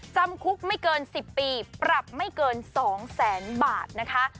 จำคุกไม่เกิน๑๐ปีปรับไม่เกิน๒แสนบาทนะคะ